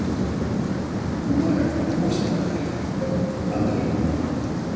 この前保護したんだあん時の女の子。